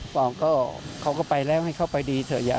ปองก็เขาก็ไปแล้วให้เข้าไปดีเถอะ